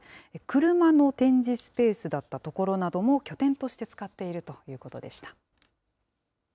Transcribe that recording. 車の展示スペースだった所なども、拠点として使っているということ